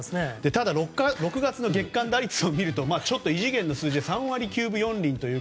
ただ、６月の月間打率を見るとちょっと異次元の数字で３割９分４厘。